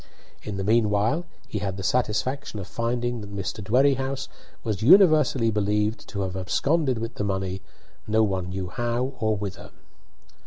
In the meanwhile he had the satisfaction of finding that Mr. Dwerrihouse was universally believed to have absconded with the money, no one knew how or whither.